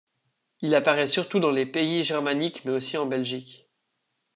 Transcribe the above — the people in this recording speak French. Il apparaît surtout dans les pays germaniques mais aussi en Belgique.